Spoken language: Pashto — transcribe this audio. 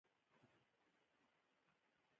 په کوټه کې څه مشران سپین ږیري هم و.